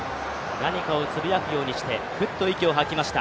何かをつぶやくようにして、ふっと息を吐きました。